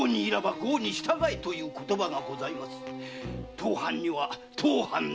当藩には当藩の。